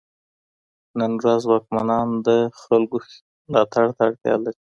نن ورځ واکمنان د خلګو ملاتړ ته اړتيا لري.